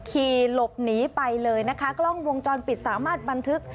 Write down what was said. ขี่หลบหนีไปเลยนะคะกล้องวงจรปิดสามารถบันทึก